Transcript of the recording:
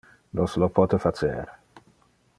Nos lo pote facer.